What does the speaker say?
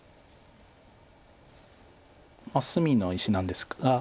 隅の石なんですが。